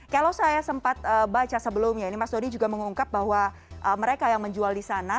kalau saya sempat baca sebelumnya ini mas dodi juga mengungkap bahwa mereka yang menjual di sana